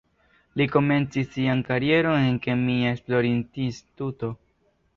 Li komencis sian karieron en kemia esplorinstituto.